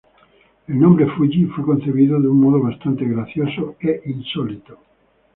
El nombre "fuji" fue concebido de un modo bastante gracioso e insólito.